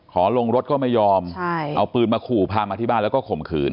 ลงรถก็ไม่ยอมเอาปืนมาขู่พามาที่บ้านแล้วก็ข่มขืน